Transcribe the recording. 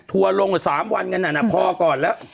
ถั่วลง๓วันกันน่าพอก่อนแล้ว